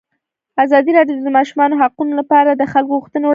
ازادي راډیو د د ماشومانو حقونه لپاره د خلکو غوښتنې وړاندې کړي.